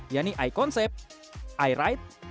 yaitu i konsep i ride